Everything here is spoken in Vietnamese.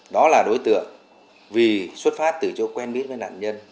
đó là đối tượng vì xuất phát từ chỗ quen biết với nạn nhân